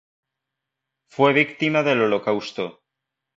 Fue víctima del Holocausto.